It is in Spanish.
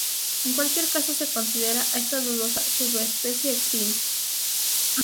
En cualquier caso se considera a esta dudosa subespecie extinta.